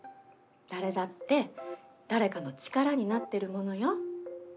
誰だって誰かの力になってるものよ。